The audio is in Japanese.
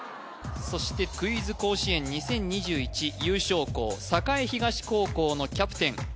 そしてクイズ甲子園２０２１優勝校栄東高校のキャプテン